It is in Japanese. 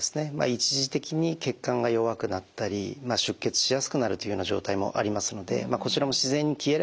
一時的に血管が弱くなったり出血しやすくなるというような状態もありますのでこちらも自然に消えればですね